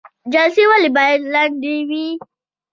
جلسې ولې باید لنډې وي؟